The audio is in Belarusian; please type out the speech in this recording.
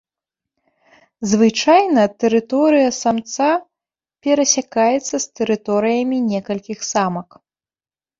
Звычайна тэрыторыя самца перасякаецца з тэрыторыямі некалькіх самак.